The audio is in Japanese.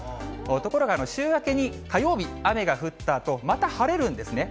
ところが週明けに火曜日、雨が降ったあと、また晴れるんですね。